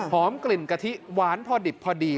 กลิ่นกะทิหวานพอดิบพอดี